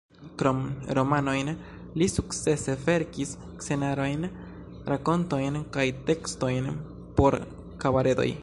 Krom romanojn li sukcese verkis scenarojn, rakontojn kaj tekstojn por kabaredoj.